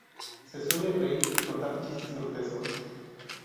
Se suele reír y contar chistes grotescos.